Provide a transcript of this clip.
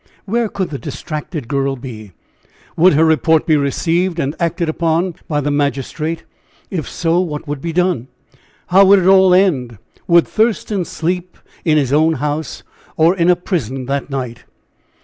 "Where could the distracted girl be? Would her report be received and acted upon by the magistrate? If so, what would be done? How would it all end? Would Thurston sleep in his own house or in a prison that night?